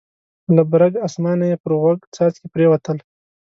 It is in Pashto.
له برګ اسمانه یې پر غوږ څاڅکي پرېوتل.